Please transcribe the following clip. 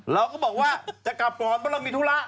เราก็บอกว่าจะกลับก่อนเพราะเรามีธุระ